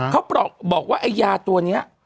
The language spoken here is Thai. เขาบอกว่าไอ้ยาตัวนี้